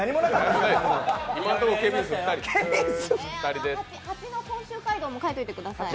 蜂の甲州街道も書いておいてください。